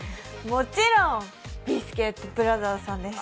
もちろんビスケットブラザーズさんです。